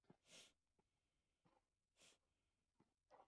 La Roma imperial habría ahogado los impulsos innovadores de la Grecia plural.